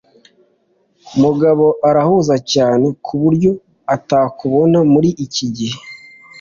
Mugabo arahuze cyane kuburyo atakubona muri iki gihe.